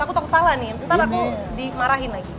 aku tau kesalah nih nanti aku dimarahin lagi